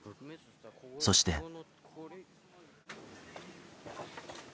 そして。